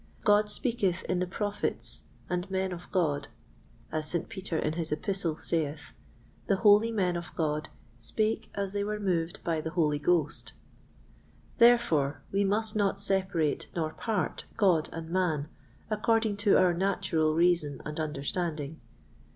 God speaketh in the Prophets and men of God, as St. Peter in his Epistle saith: 'The holy men of God spake as they were moved by the Holy Ghost.' Therefore we must not separate nor part God and man according to our natural reason and understanding.